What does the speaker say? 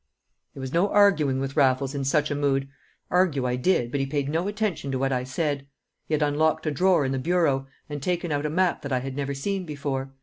There was no arguing with Raffles in such a mood; argue I did, but he paid no attention to what I said. He had unlocked a drawer in the bureau, and taken out a map that I had never seen before.